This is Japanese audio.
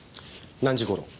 何時頃？